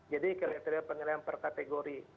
jadi kriteria penilaian per kategori